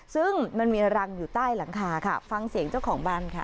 ซึ่งมันมีรังอยู่ใต้หลังคาค่ะฟังเสียงเจ้าของบ้านค่ะ